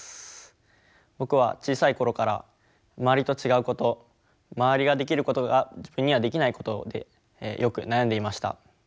僕は小さい頃から周りと違うこと周りができることが自分にはできないことでよく悩んでいました。